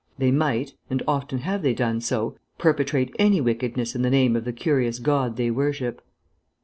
They might (and often have they done so) perpetrate any wickedness in the name of the curious God they worship."